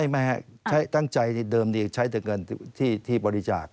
ไม่ครับตั้งใจเดิมใช้แต่เงินที่บริจาค